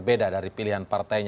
pada saat ini